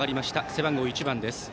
背番号１番です。